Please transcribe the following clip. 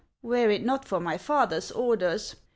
were it not for my father's orders